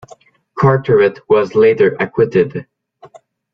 Carteret was later acquitted.